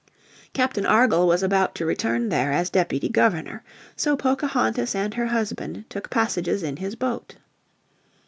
Captain Argall was about to return there as Deputy Governor. So Pocahontas and her husband took passages in his boat.